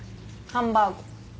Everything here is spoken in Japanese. ハンバーグ。